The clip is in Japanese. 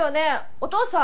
お父さん！